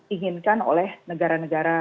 inginkan oleh negara negara